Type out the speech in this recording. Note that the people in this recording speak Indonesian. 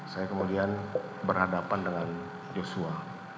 saya kemudian berhadapan dengan joshua